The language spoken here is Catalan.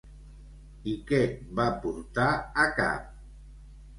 I què va portar a cap?